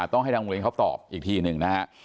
ต้องให้ทางโรงเรียนเขาตอบอีกทีหนึ่งนะฮะ